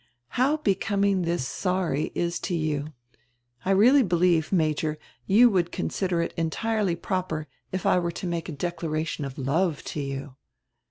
"How becoming this 'sorry' is to you! I really believe, Major, you would consider it entirely proper, if I were to make a declaration of love to you."